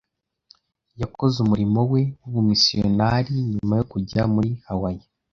Yakoze umurimo we w'ubumisiyonari nyuma yo kujya muri Hawayi